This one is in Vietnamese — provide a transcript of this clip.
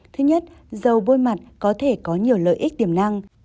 thứ nhất dầu bôi mặt có thể có nhiều lợi ích tiềm năng